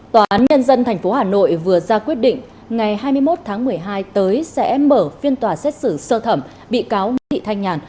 tòa án nhân dân tp hà nội vừa ra quyết định ngày hai mươi một tháng một mươi hai tới sẽ mở phiên tòa xét xử sơ thẩm bị cáo nguyễn thị thanh nhàn